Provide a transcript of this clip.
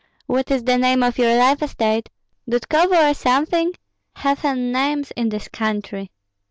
What is the name of your life estate? Dudkovo, or something? Heathen names in this country!